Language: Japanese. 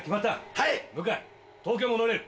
はい！